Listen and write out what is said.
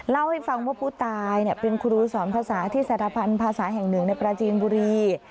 เล่าให้ฟังว่าผู้ตายเป็นครูสอนภาษาที่สถาพันธ์ภาษาแห่งหนึ่งในปราจีนบุรี